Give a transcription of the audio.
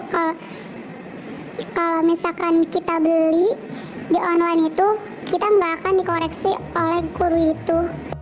kalau misalkan kita beli di online itu kita nggak akan dikoreksi oleh guru itu